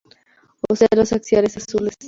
Ocelos axiales azules.